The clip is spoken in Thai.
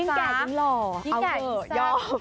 ยิ่งแก่ยิ่งหล่อยิ่งแก่ยิ่งซ้ำ